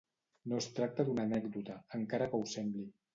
No es tracta d'una anècdota, encara que ho sembli.